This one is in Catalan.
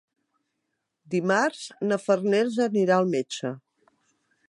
Dimarts na Farners anirà al metge.